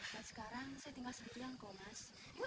biar sekarang saya tinggal sedih bilang kok mas